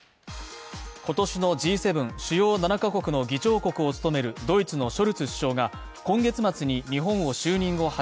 今年のＧ７＝主要７か国の議長国を務めるドイツのショルツ首相が今月末に就任後